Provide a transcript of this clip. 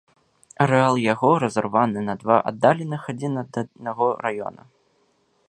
Арэал яго разарваны на два аддаленых адзін ад аднаго раёна.